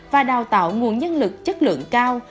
và đào tạo nguồn nhân lực chất lượng cao